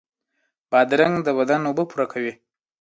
بادرنګ د بدن اوبه پوره کوي.